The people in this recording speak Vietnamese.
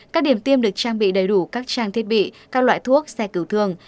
các điểm tiêm được trang bị đầy đủ các trang thiết bị các loại thuốc xe cứu thương